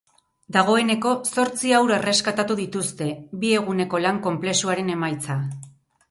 Dagoeneko zortzi haur erreskatatu dituzte, bi eguneko lan konplexuaren emaitza.